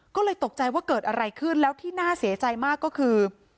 ก็เลยตกใจว่าเกิดอะไรขึ้นแล้วที่น่าเสียใจมากก็คือ